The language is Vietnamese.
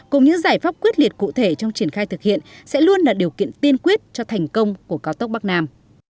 cùng những giải pháp quyết liệt cụ thể trong triển khai thực hiện sẽ luôn là điều kiện tiên quyết cho thành công của cao tốc bắc nam